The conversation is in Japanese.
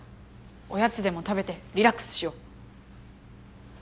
おやつでも食べてリラックスしよう。